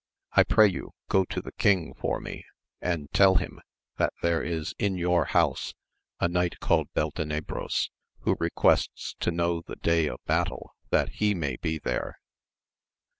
I pray you go to the king for me, and tell him that there is in your house a knight called Beltenebros, who requests to know the day of battle that he may be there.